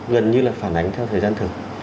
gần như là phản ánh theo thời gian thực